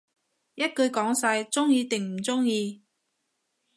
一句講晒，鍾意定唔鍾意